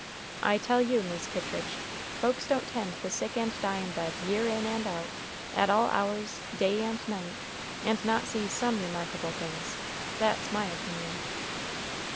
I tell you, Mis' Kittridge, folks don't tend the sick and dyin' bed year in and out, at all hours, day and night, and not see some remarkable things; that's my opinion."